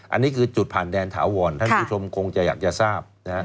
อันนี้คือจุดผ่านแดนถาวรท่านผู้ชมคงจะอยากจะทราบนะฮะ